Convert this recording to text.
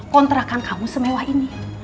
kontrakan kamu semewah ini